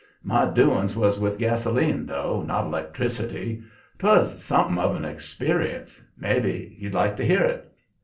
My doings was with gasoline though, not electricity. 'Twas something of an experience. Maybe you'd like to hear it."